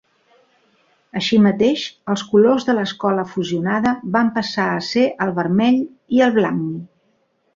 Així mateix, els colors de l'escola fusionada van passar a ser el vermell i el blanc.